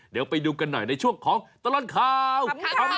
เดี๋ยวไปดูกันหน่อยในช่วงของตลอดข่าว